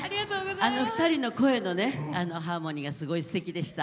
２人の声のハーモニーがすごいすてきでした。